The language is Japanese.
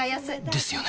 ですよね